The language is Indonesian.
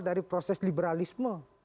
dari proses liberalisme